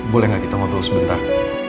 boleh gak kita ngobrol sebentar